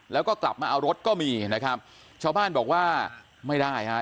แล้วก็กลับมาเอารถก็มีนะครับชาวบ้านบอกว่าไม่ได้ฮะ